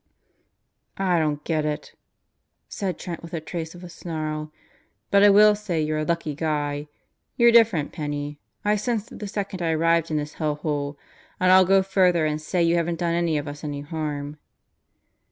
"I don't get it," said Trent with a trace of a snarl. "But I will say you're a lucky guy. You're different, Penney. I sensed it the second I arrived in this hellhole. And I'll go further and say you haven't done any of us any harm."